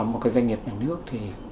một doanh nghiệp nhà nước